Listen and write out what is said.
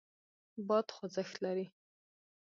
باد خوځښت لري.